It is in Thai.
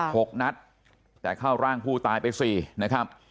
ถกนัดแตะเข้าร่างผู้ตายไปซี